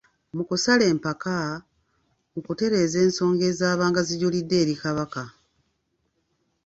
Mu kusala empaka, mu kutereeza ensonga ezaabanga zijulidde eri Kabaka.